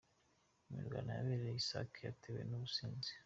Imirwano yabereye i Sake yatewe n’ubusinzi